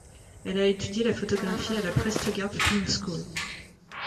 Elle a étudié la photographie à la Praestegaard Film School.